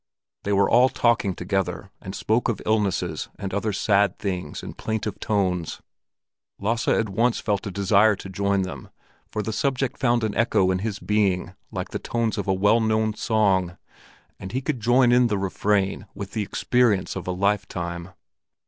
They were all talking together and spoke of illnesses and other sad things in plaintive tones. Lasse at once felt a desire to join them, for the subject found an echo in his being like the tones of a well known song, and he could join in the refrain with the experience of a lifetime.